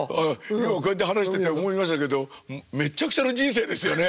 今こうやって話してて思いましたけどめっちゃくちゃな人生ですよね。